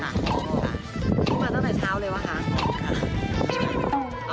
อายุมาตั้งแต่เช้าเลยแหวะคะ